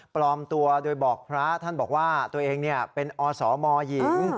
ปลอมตัวโดยบอกพระท่านบอกว่าตัวเองเป็นอสมหญิง